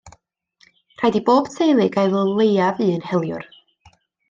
Rhaid i bob teulu gael o leiaf un heliwr.